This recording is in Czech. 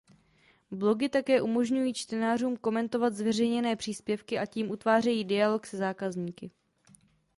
Blogy také umožňují čtenářům komentovat zveřejněné příspěvky a tím utvářejí dialog se zákazníky.